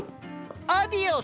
アディオス！